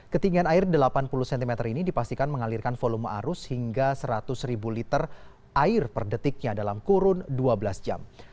ketinggian air delapan puluh cm ini dipastikan mengalirkan volume arus hingga seratus ribu liter air per detiknya dalam kurun dua belas jam